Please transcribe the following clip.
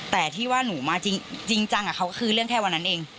แต่ที่ว่าหนูมาจริงจังกับเขาก็คือเรื่องแค่วันนั้นเอง